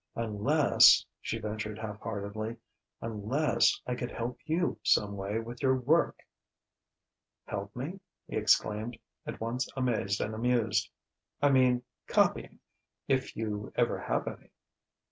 "Unless," she ventured half heartedly "unless I could help you some way with your work." "Help me?" he exclaimed, at once amazed and amused. "I mean, copying if you ever have any."